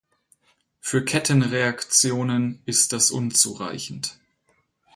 Für Kettenreaktionen ist das unzureichend.